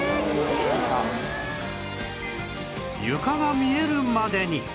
床が見えるまでに！